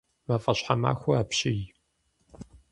Мафӏэщхьэмахуэ апщий!